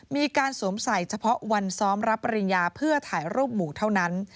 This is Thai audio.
มีการสวมใส่เฉพาะวันซ้อมรับปริญญาเพื่อถ่ายรูปหมู่เท่านั้น